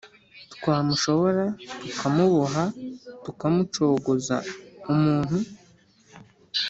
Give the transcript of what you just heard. twamushobora tukamuboha tukamucogoza umuntu